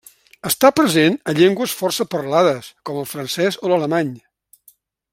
Està present a llengües força parlades com el francès o l'alemany.